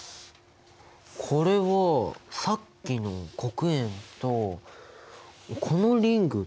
これはさっきの黒鉛とこのリングダイヤモンド？